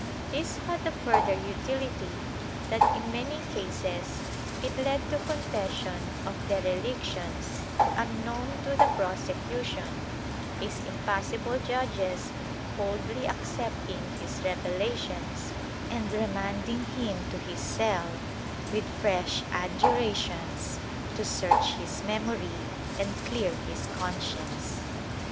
This had the further utility that in many cases it led to confession of derelictions unknown to the prosecution, his impassible judges coldly accepting his reve lations and remanding him to his cell with fresh adjurations to search his memory and clear his conscience.